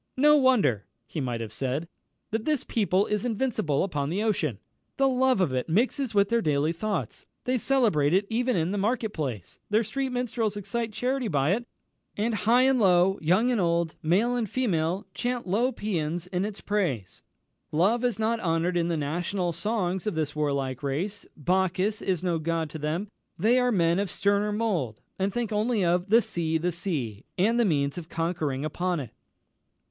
"No wonder," he might have said, "that this people is invincible upon the ocean. The love of it mixes with their daily thoughts; they celebrate it even in the market place; their street minstrels excite charity by it; and high and low, young and old, male and female, chant lo pæans in its praise. Love is not honoured in the national songs of this warlike race Bacchus is no god to them; they are men of sterner mould, and think only of 'the Sea, the Sea!' and the means of conquering upon it."